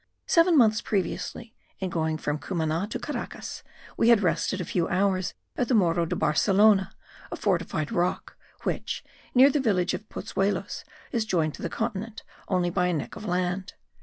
Seven months previously, in going from Cumana to Caracas, we had rested a few hours at the Morro de Barcelona, a fortified rock, which, near the village of Pozuelos, is joined to the continent only by a neck of land.